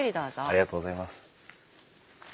ありがとうございます。